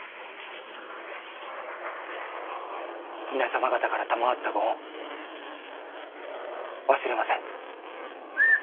皆様方から賜ったご恩忘れません。